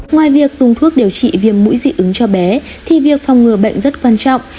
ngoài việc dùng thuốc điều trị viêm mũi dị ứng cho bé thì việc phòng ngừa bệnh rất quan trọng